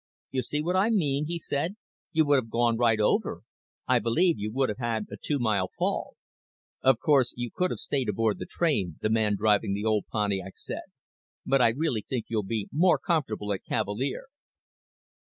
"You see what I mean," he said. "You would have gone right over. I believe you would have had a two mile fall." "Of course you could have stayed aboard the train," the man driving the old Pontiac said, "but I really think you'll be more comfortable at Cavalier."